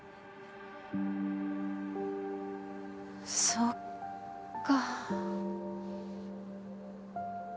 そっか。